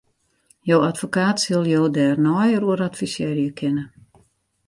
Jo advokaat sil jo dêr neier oer advisearje kinne.